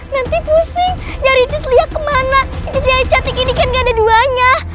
nanti pusing nyari iya kemana iya cantik ini kan gak ada duanya